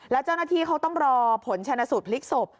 แล้วเจ้าหน้าที่เขาต้องรอผลชนะสูตรพลิกศพ